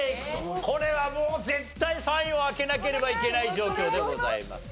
これはもう絶対３位を開けなければいけない状況でございます。